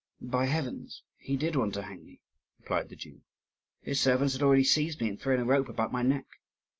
"By heavens, he did want to hang me," replied the Jew; "his servants had already seized me and thrown a rope about my neck.